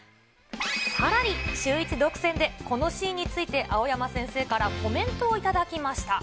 さらにシューイチ独占で、このシーンについて青山先生からコメントを頂きました。